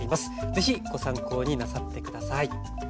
是非ご参考になさって下さい。